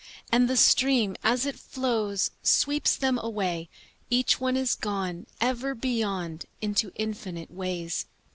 And the stream as it flows Sweeps them away, Each one is gone Ever beyond into infinite ways.